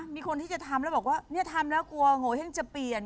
มีคนที่จะทำแล้วบอกว่าเนี่ยทำแล้วกลัวโงเห้งจะเปลี่ยน